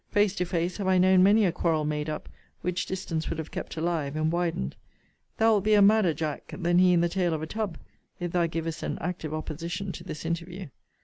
Face to face have I known many a quarrel made up, which distance would have kept alive, and widened. Thou wilt be a madder Jack than he in the tale of a Tub, if thou givest an active opposition to this interview.